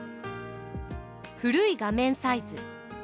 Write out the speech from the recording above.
古い画面サイズ。